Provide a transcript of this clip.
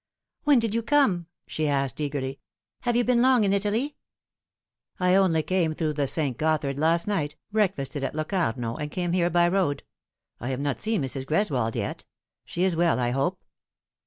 "When did you come?" she asked eagerly. "Have you been long in Italy ?"" I only came through the St. Gothard last night, breakfasted at Locarno, and came here by road. I have not seen Mrs. Greswold yet. She is well, I hope